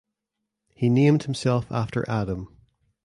He named himself after Adam.